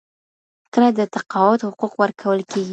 کله د تقاعد حقوق ورکول کیږي؟